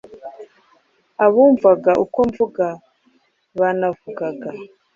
Abumvaga uko mvuga, banavugaga